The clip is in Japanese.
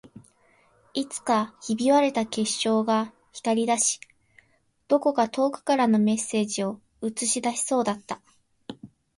いつかひび割れた液晶が光り出し、どこか遠くからのメッセージを映し出しそうだった